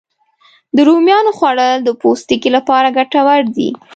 د رومیانو خوړل د پوستکي لپاره ګټور دي